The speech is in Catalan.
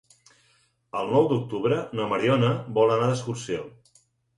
El nou d'octubre na Mariona vol anar d'excursió.